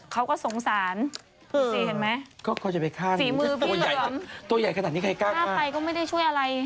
เขาจะไปฆ่าหนึ่งตัวใหญ่ขนาดนี้ใครกล้าฝ่าไปก็ไม่ได้ช่วยอะไร